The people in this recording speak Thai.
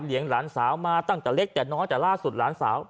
หลานสาวมาตั้งแต่เล็กแต่น้อยแต่ล่าสุดหลานสาว